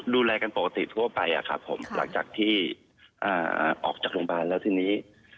ดูแลกันปกติทั่วไปอะครับผมหลังจากที่ออกจากโรงพยาบาลแล้วทีนี้